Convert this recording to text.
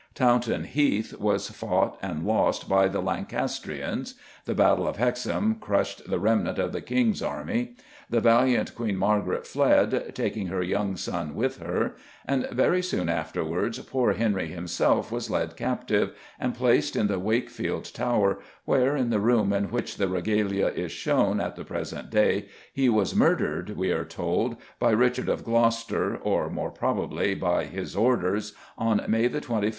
Towton Heath was fought and lost by the Lancastrians; the Battle of Hexham crushed the remnant of the King's army; the valiant Queen Margaret fled, taking her young son with her; and, very soon afterwards, poor Henry himself was led captive, and placed in the Wakefield Tower where, in the room in which the regalia is shown at the present day, he was murdered, we are told, by Richard of Gloucester or, more probably, by his orders, on May 21, 1471.